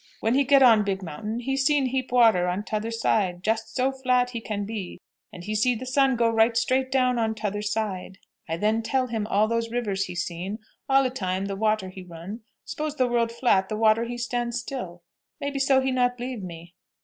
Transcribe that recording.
When he get on big mountain, he seen heap water on t'other side, jest so flat he can be, and he seen the sun go right straight down on t'other side. I then tell him all these rivers he seen, all e'time the water he run; s'pose the world flat the water he stand still. Maybe so he not b'lieve me?"